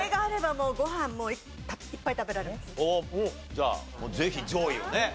じゃあぜひ上位をね。